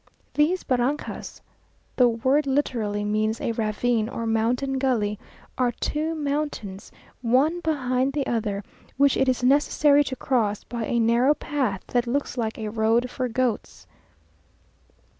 These barrancas (the word literally means a ravine or mountain gully) are two mountains, one behind the other, which it is necessary to cross by a narrow path, that looks like a road for goats.